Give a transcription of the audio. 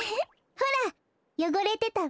ほらよごれてたわ。